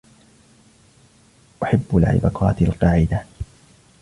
أحب لعب كرة القاعدة.